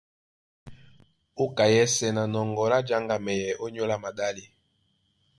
Ó ka yɛ́sɛ̄ na nɔŋgɔ lá jáŋgamɛyɛ ónyólá maɗále,